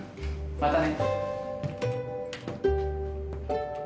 またね。